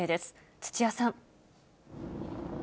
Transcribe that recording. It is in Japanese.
土屋さん。